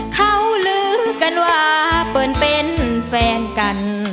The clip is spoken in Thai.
เขาลือกันว่าเปิ้ลเป็นแฟนกัน